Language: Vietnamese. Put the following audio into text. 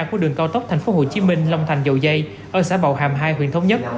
của đường cao tốc tp hcm long thành dầu dây ở xã bầu hàm hai huyện thống nhất